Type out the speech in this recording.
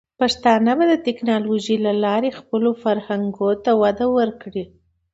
پښتانه به د ټیکنالوجۍ له لارې خپلو فرهنګونو ته وده ورکړي.